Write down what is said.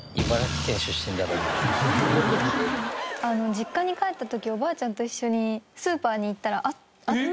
実家に帰った時おばあちゃんと一緒にスーパーに行ったらあって。